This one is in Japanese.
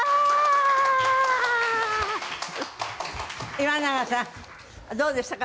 岩永さんどうでしたか？